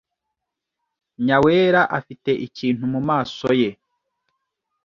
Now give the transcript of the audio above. Nyawera afite ikintu mumaso ye.